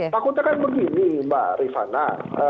takutnya kan begini mbak rifana